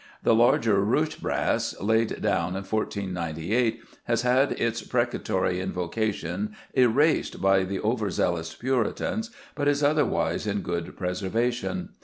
The larger Rusche brass, laid down in 1498, has had its precatory invocation erased by the over zealous Puritans, but is otherwise in good preservation.